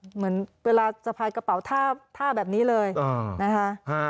เหมือนเวลาสะพายกระเป๋าท่าแบบนี้เลยนะคะ